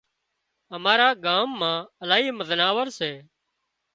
امارا ڳام مان الاهي زناورسي